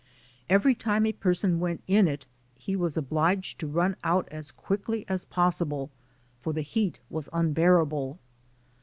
Every time a person went in it he was obliged to run out as quickly as possible, for the heat was un bearable.